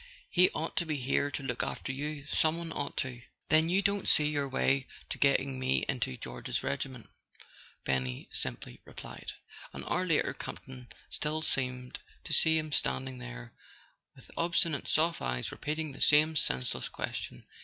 "He ought to be here to look after you—some one ought to! " A SON AT THE FRONT "Then you don't see your way to getting me into George's regiment?" Benny simply replied. An hour later Campton still seemed to see him stand¬ ing there, with obstinate soft eyes repeating the same senseless question.